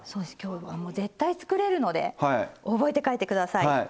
きょうはもう絶対作れるので覚えて帰ってください。